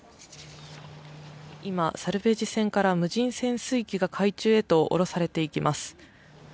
今、サルベージ船から無人潜水機が海中へとおろされていきます。